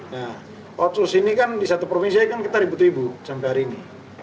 nah otsus ini kan di satu provinsi kan kita ribut ribut sampai hari ini